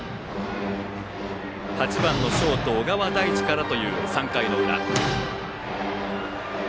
８番ショート小川大地からという３回裏。